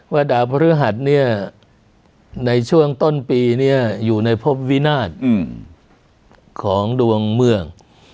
ว่าดาวพฤหัสในช่วงต้นปีอยู่ในพบวินาศของดวงเมือง